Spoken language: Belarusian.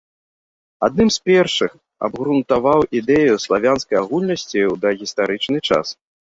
Адным з першых абгрунтаваў ідэю славянскай агульнасці ў дагістарычны час.